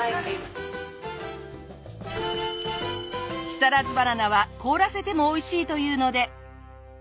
木更津バナナは凍らせてもおいしいというので。